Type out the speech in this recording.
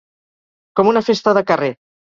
Com una festa de carrer.